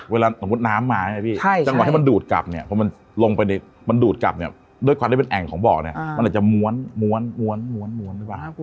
ว่าต้องรวดน้ำมาเงี่ยพี่ถ้าโดดกลับเนี่ยเป็นแอ่งของบ่อนักอาจจะม้วน